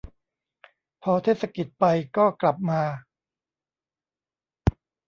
พอเทศกิจไปก็กลับมา